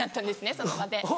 その場で。